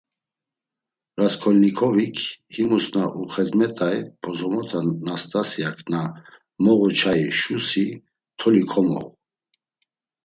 Rasǩolnikovik, himus na uxezmet̆ay bozomota Nastasyak na moğu çayi şusi, toli komoğu.